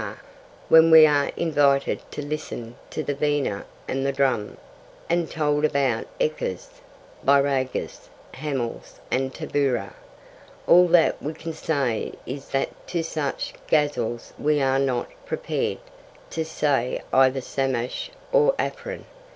when we are invited to listen to 'the Vina and the drum' and told about ekkas, Byragis, hamals and Tamboora, all that we can say is that to such ghazals we are not prepared to say either Shamash or Afrin.